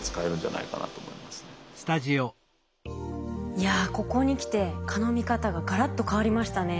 いやここに来て蚊の見方ががらっと変わりましたね。